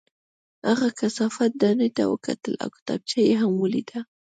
هغه کثافت دانۍ ته وکتل او کتابچه یې هم ولیده